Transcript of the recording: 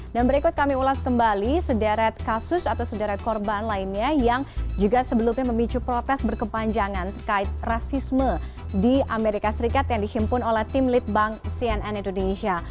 dan berikut kami ulas kembali sederet kasus atau sederet korban lainnya yang juga sebelumnya memicu protes berkepanjangan terkait rasisme di amerika serikat yang dihimpun oleh tim lead bank cnn indonesia